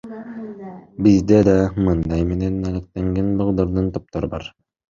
Бизде да мындай менен алектенген балдардын топтору бар.